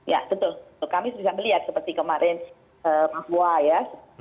ya betul kami bisa melihat seperti kemarin papua ya